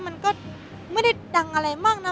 มันก็ไม่ได้ดังอะไรมากนะ